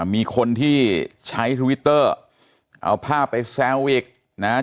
มีคนที่ใช้ทวิตเตอร์เอาภาพไปแซวอีกนะฮะ